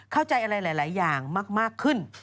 เข้าใจอะไรหลายอย่างมากขึ้น